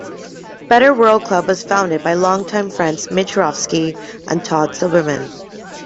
Better World Club was founded by longtime friends Mitch Rofsky and Todd Silberman.